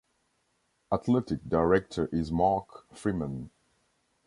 Athletic Director is Mark Freeman.